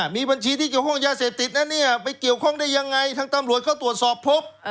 มีบัญชีที่เกี่ยวข้องยาเสพติดนะเนี่ยไปเกี่ยวข้องได้ยังไงทางตำรวจเขาตรวจสอบพบ